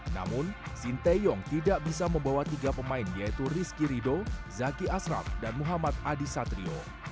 namun sinteyong tidak bisa membawa tiga pemain yaitu rizky rido zaki asraf dan muhammad adi satrio